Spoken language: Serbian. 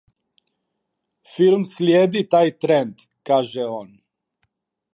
"Филм слиједи тај тренд," каже он."